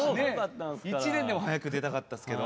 １年でも早く出たかったっすけど。